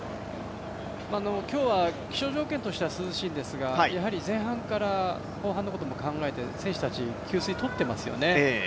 今日は気象条件としては涼しいんですが、前半から後半のことも考えて選手たち、給水をとってますね。